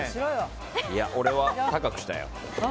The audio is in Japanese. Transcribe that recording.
俺は高くしたよ。